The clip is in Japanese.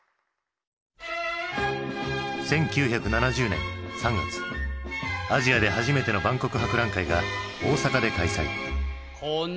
１９７０年３月アジアで初めての万国博覧会が大阪で開催。